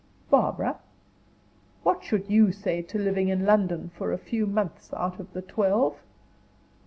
"Barbara, what should you say to living in London for a few months out of the twelve?"